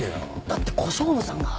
だって小勝負さんが。